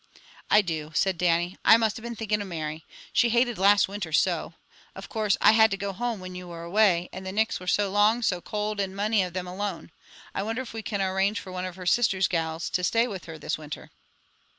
"I do," said Dannie. "I must have been thinkin' of Mary. She hated last winter so. Of course, I had to go home when ye were away, and the nichts were so long, and so cold, and mony of them alone. I wonder if we canna arrange fra one of her sister's girls to stay with her this winter?"